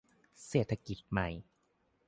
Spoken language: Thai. เศรษฐกิจใหม่